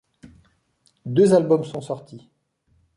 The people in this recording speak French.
Deux albums sont sortis.